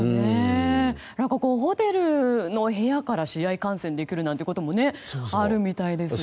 ホテルの部屋から試合観戦できるなんてこともあるみたいですね。